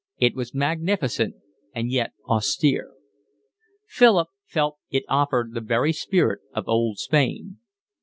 It was magnificent and yet austere. Philip felt that it offered the very spirit of old Spain.